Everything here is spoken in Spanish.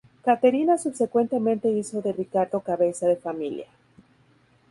Caterina subsecuentemente hizo de Riccardo cabeza de familia.